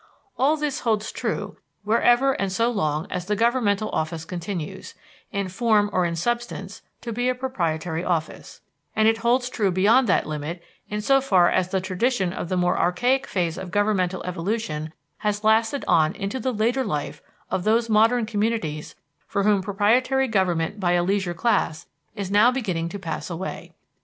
All this holds true wherever and so long as the governmental office continues, in form or in substance, to be a proprietary office; and it holds true beyond that limit, in so far as the tradition of the more archaic phase of governmental evolution has lasted on into the later life of those modern communities for whom proprietary government by a leisure class is now beginning to pass away.